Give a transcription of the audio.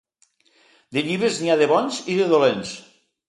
De llibres n'hi ha de bons i de dolents.